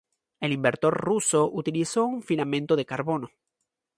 El inventor ruso utilizó un filamento de carbono.